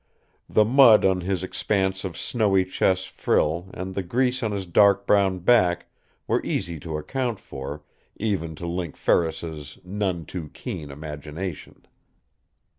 The mud on his expanse of snowy chest frill and the grease on his dark brown back were easy to account for, even to Link Ferris's none too keen imagination.